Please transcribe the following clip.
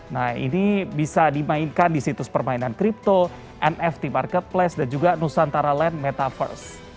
nah ini bisa dimainkan di situs permainan kripto nft marketplace dan juga nusantara land metaverse